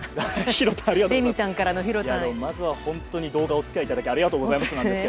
まずは本当に動画にお付き合いいただきありがとうございました。